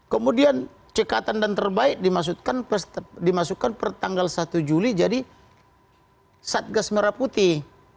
kemudian cekatan dan terbaik dimasukkan per tanggal satu juli jadi satgas merah putih